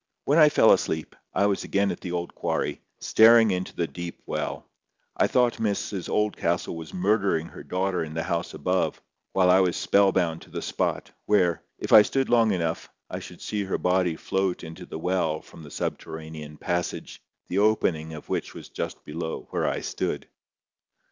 When I fell asleep, I was again in the old quarry, staring into the deep well. I thought Mrs Oldcastle was murdering her daughter in the house above, while I was spell bound to the spot, where, if I stood long enough, I should see her body float into the well from the subterranean passage, the opening of which was just below where I stood.